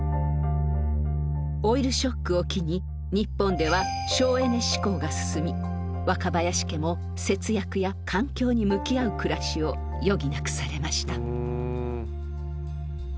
オイルショックを機に日本では省エネ志向が進み若林家も節約や環境に向き合う暮らしを余儀なくされました。